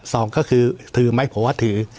สองก็คือถือไหมผมว่าถือ